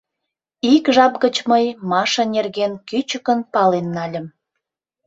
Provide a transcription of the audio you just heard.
Ик жап гыч мый Маша нерген кӱчыкын пален нальым.